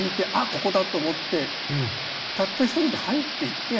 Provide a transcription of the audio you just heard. ここだと思ってたった一人で入っていって。